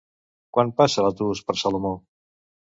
Quan passa l'autobús per Salomó?